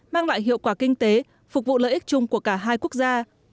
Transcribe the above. mang lại hiệu quả kinh tế phục vụ lợi ích chung của cả hai quốc gia